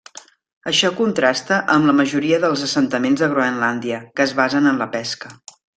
Això contrasta amb la majoria dels assentaments de Groenlàndia, que es basen en la pesca.